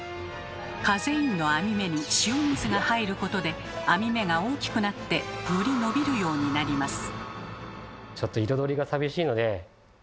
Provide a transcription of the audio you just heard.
カゼインの網目に塩水が入ることで網目が大きくなってより伸びるようになります。